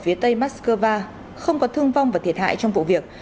ở phía tây mắc skơ va không có thương vong và thiệt hại trong vụ việc